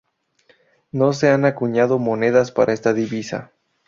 No se han acuñado monedas para esta divisa.